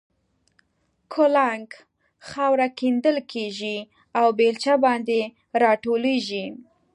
کولنګ خاوره کیندل کېږي او بېلچه باندې را ټولېږي.